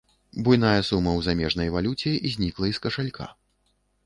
Буйная сума ў замежнай валюце знікла і з кашалька.